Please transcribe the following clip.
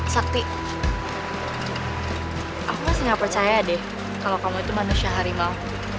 sakti aku sih gak percaya deh kalau kamu itu manusia harimau